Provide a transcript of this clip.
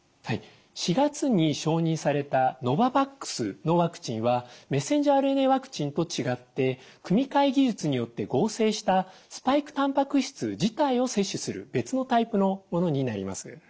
４月に承認されたノババックスのワクチンはメッセンジャーＲＮＡワクチンと違って組み替え技術によって合成したスパイクたんぱく質自体を接種する別のタイプのものになります。